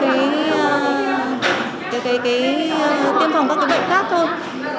tiêm phòng có cái bệnh khác thôi